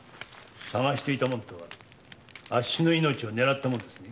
「探していたもの」とはあっしの命を狙った者ですね？